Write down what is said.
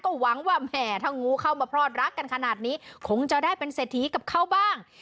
ก็หวังว่าแหมถ้างูเข้ามาพลอดรักกันขนาดนี้คงจะได้เป็นเศรษฐีกับเขาบ้าง